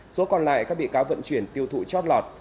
số còn lại các bị cáo vận chuyển tiêu thụ chót lọt